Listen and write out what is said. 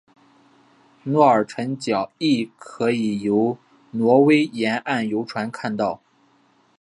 诺尔辰角亦可以由挪威沿岸游船看到。